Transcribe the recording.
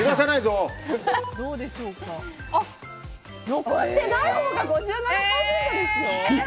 残してないほうが５７％ですよ！